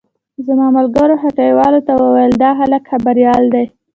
زما ملګرو هټيوالو ته وويل دا هلک خبريال دی.